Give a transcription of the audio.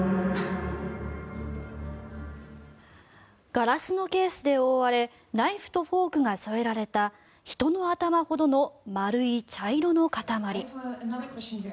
ガラスのケースで覆われナイフとフォークが添えられた人の頭ほどの丸い茶色の塊。